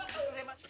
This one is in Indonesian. aduh reh masuk